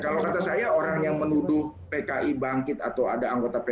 kalau kata saya orang yang menuduh pki bangkit atau ada anggota pki